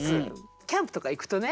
キャンプとか行くとね